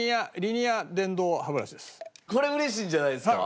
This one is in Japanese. これ嬉しいんじゃないですか？